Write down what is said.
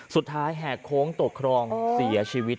สุดท้ายแหกโค้งตกคลองเสียชีวิต